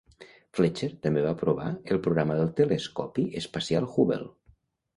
Fletcher també va aprovar el programa del telescopi espacial Hubble.